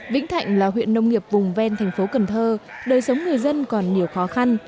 vĩnh thảnh là huyện nông nghiệp vùng ven tp cn đời sống người dân còn nhiều khó khăn